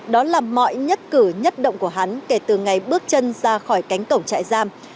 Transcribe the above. đó là mọi nhất cử nhất động của hắn kể từ ngày bước chân ra khỏi cánh cổng trại giam